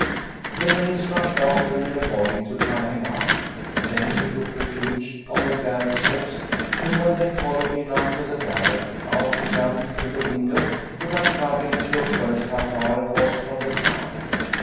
" The maids rushed after in a body to drive him out. Then he took refuge on the garret steps and when they followed him up to the garret, out he jumped through the window without troubling to look first how far it was from the ground.